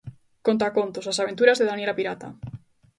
Contacontos: As aventuras de Daniela Pirata.